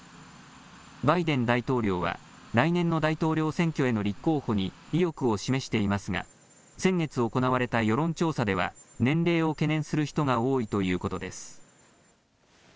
バイデン大統領は、来年の大統領選挙への立候補に意欲を示していますが、先月行われた世論調査では、年齢を懸念する人が多いということです。